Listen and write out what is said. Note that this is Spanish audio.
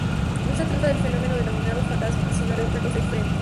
No se trata del fenómeno denominado fantasma, sino de otra cosa diferente.